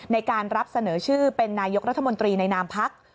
ในการรับเสนอชื่อเป็นนายกรัฐมนตรีในนามพัก